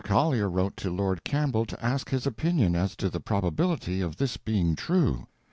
Collier wrote to Lord Campbell to ask his opinion as to the probability of this being true.